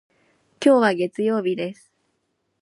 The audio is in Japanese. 今日は月曜日です。